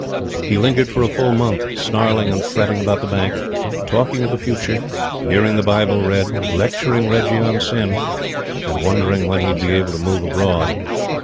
He lingered for a full month, snarling and fretting about the Bank, talking of the future, hearing the Bible read, lecturing Reggie on sin, and wondering when he would be able to move abroad.